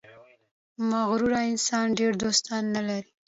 • مغرور انسان ډېر دوستان نه لري.